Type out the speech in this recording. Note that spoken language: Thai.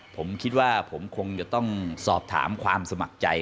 ผมคิดว่าผมคงจะต้องสอบถามความสมัครใจ